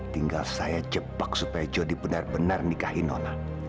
tinggal saya jepak supaya jody benar benar nikahin nona